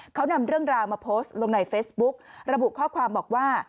เขานำเรื่องราวมาโพสต์ลงในเฟซบุ๊กระบุข้อความบอกว่า